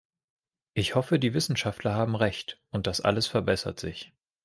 Ich hoffe, die Wissenschaftler haben Recht, und das alles verbessert sich.